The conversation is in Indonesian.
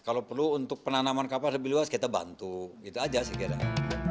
kalau perlu untuk penanaman kapas lebih luas kita bantu itu aja sih kira kira